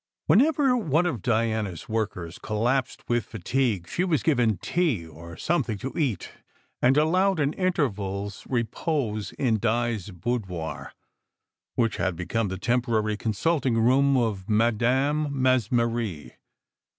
Whenever one of Diana s workers collapsed with fatigue, she was given tea or something to eat, and allowed an interval s repose in Di s boudoir, which had become the temporary consulting room of Madame Mesmerre.